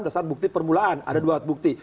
dasar bukti permulaan ada dua alat bukti